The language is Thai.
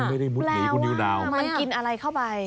ไม่ได้มุดหนีคุณนิวนาวมันกินอะไรเข้าไป